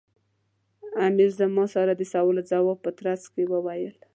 امیر زما سره د سوال و ځواب په ترڅ کې وویل.